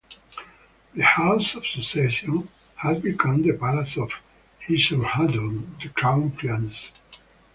The "House of Succession" had become the palace of Esarhaddon, the crown prince.